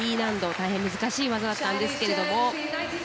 大変難しい技だったんですけれども。